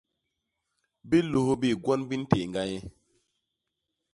Bilôs bi gwon bi ntééñga nye.